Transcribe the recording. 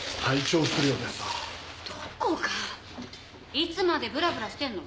いつまでブラブラしてんの？